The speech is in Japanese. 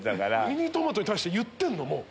ミニトマトに対して言ってんのもう。